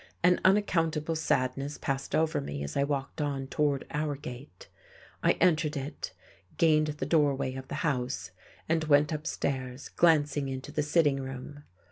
An unaccountable sadness passed over me as I walked on toward our gate; I entered it, gained the doorway of the house and went upstairs, glancing into the sitting room.